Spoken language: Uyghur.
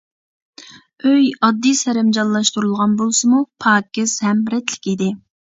ئۆي ئاددىي سەرەمجانلاشتۇرۇلغان بولسىمۇ، پاكىز ھەم رەتلىك ئىدى.